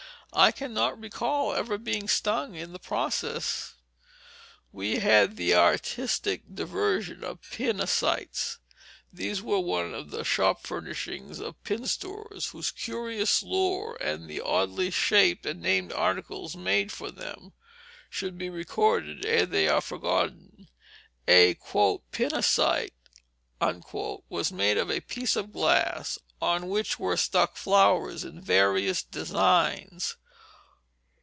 I cannot recall ever being stung in the process. We had the artistic diversion of "pin a sights." These were one of the shop furnishings of pin stores, whose curious lore, and the oddly shaped and named articles made for them, should be recorded ere they are forgotten. A "pin a sight" was made of a piece of glass, on which were stuck flowers in various designs.